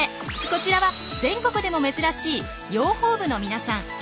こちらは全国でも珍しい養蜂部の皆さん。